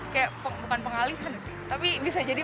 kayak bukan pengalihkan sih